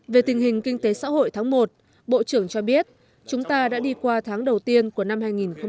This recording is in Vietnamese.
về tình hình kinh tế xã hội tháng một bộ trưởng cho biết chúng ta đã đi qua tháng đầu tiên của năm hai nghìn một mươi chín